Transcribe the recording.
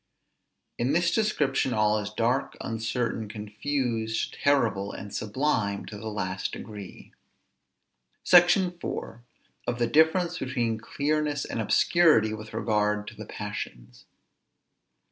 In this description all is dark, uncertain, confused, terrible, and sublime to the last degree. SECTION IV. OF THE DIFFERENCE BETWEEN CLEARNESS AND OBSCURITY WITH REGARD TO THE PASSIONS.